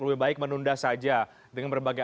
lebih baik menunda saja dengan berbagai